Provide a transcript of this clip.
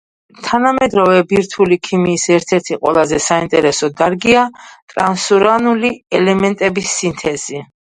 თანამედროვე ბირთვული ქიმიის ერთ-ერთი ყველაზე საინტერესო დარგია ტრანსურანული ელემენტების სინთეზი.